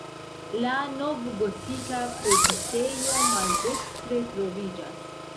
La novgotika predikejo maldekstre troviĝas.